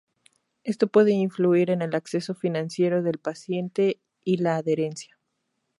Esto puede influir en el acceso financiero del paciente y la adherencia.